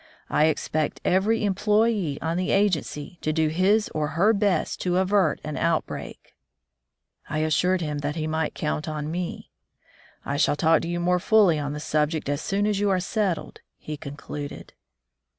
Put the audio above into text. I expect every employee on the agency to do his or her best to avert an outbreak." I assured him that he might count on me. "I shall talk to you more fully on the subject as soon as you are settled," he concluded.